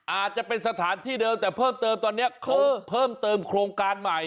อาจจะเป็นสถานที่เดิมแต่เพิ่มเติมตอนนี้เขาเพิ่มเติมโครงการใหม่